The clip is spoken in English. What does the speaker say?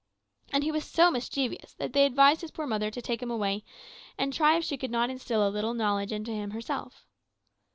And he was so mischievous that they advised his poor mother to take him away and try if she could not instil a little knowledge into him herself.